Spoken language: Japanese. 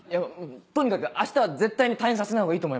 とにかく明日は絶対に退院させないほうがいいと思います。